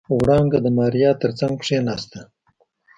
وړانګې د ماريا تر څنګ کېناسته.